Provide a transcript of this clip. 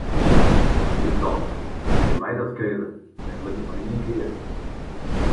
Ik tocht, wat kin my dat skele, men libbet mar ien kear.